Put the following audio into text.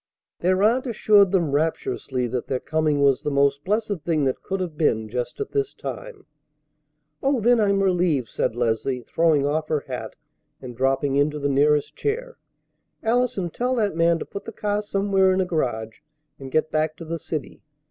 Their aunt assured them rapturously that their coming was the most blessed thing that could have been just at this time. "Oh! then I'm relieved," said Leslie, throwing off her hat and dropping into the nearest chair. "Allison, tell that man to put the car somewhere in a garage and get back to the city.